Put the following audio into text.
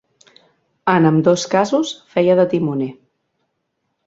En ambdós casos feia de timoner.